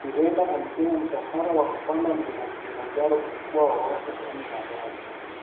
Nyirenda alisema msafara wa kupanda Mlima Kilimanjaro ulikuwa na watu kumi na moja